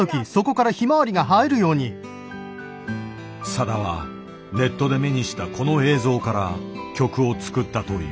さだはネットで目にしたこの映像から曲を作ったという。